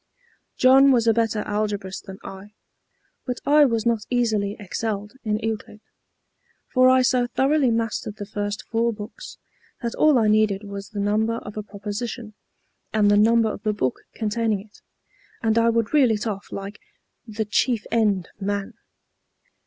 John was a better algebraist than I, but I was not easily excelled in Euclid; for I so thoroughly mastered the first four books that all I needed was the number of a proposition, and the number of the book containing it, and I would reel it off like 'The Chief End of Man.'"